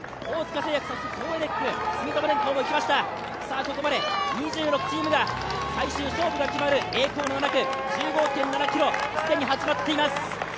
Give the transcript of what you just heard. ここまで２６チームが最終勝負が決まる栄光の７区、１５．７ｋｍ、既に始まっています。